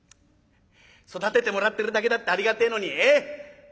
育ててもらってるだけだってありがてえのにええ？